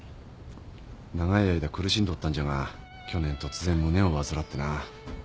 長い間苦しんどったんじゃが去年突然胸を患ってな。